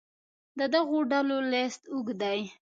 د دغو ډلو لست اوږد دی.